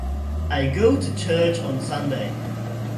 I go to church on Sunday.